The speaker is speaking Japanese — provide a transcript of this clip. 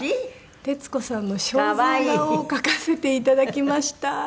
徹子さんの肖像画を描かせて頂きました。